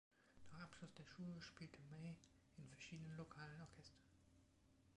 Nach Abschluss der Schule spielte May in verschiedenen lokalen Orchestern.